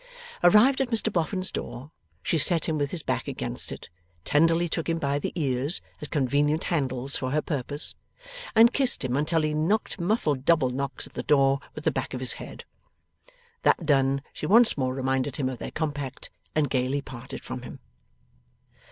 Arrived at Mr Boffin's door, she set him with his back against it, tenderly took him by the ears as convenient handles for her purpose, and kissed him until he knocked muffled double knocks at the door with the back of his head. That done, she once more reminded him of their compact and gaily parted from him.